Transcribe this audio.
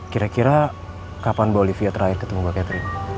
kira kira kapan mbak olivia terakhir ketemu mbak catherine